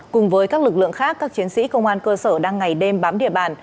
cùng với các lực lượng khác các chiến sĩ công an cơ sở đang ngày đêm bám địa bàn